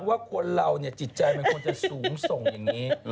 ว่าคนเราเนี่ยจิตใจมันควรจะสูงส่งอย่างนี้